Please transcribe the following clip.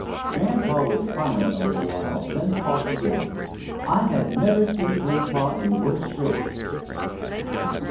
Grandpa was silent a little while, then coughed again. I had never seen Grandpa in worse straits.